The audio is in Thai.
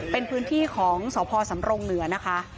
เป็นพื้นที่ของสพสำรงเหนือนะคะ